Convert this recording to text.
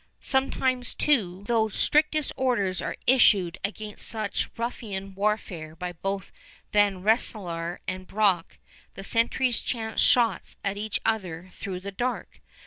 Sometimes, too, though strictest orders are issued against such ruffian warfare by both Van Rensselaer and Brock, the sentries chance shots at each other through the dark.